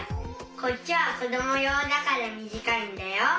こっちはこどもようだからみじかいんだよ。